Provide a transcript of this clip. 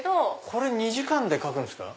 これ２時間で描くんですか？